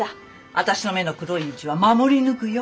私の目の黒いうちは守り抜くよ。